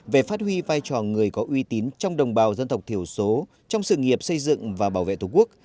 về phát huy vai trò người có uy tín trong đồng bào dân tộc thiểu số trong sự nghiệp xây dựng và bảo vệ tổ quốc